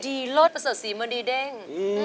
ดีลดประสดศรีมาดีเด้ง